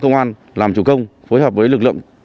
công an làm chủ công phối hợp với lực lượng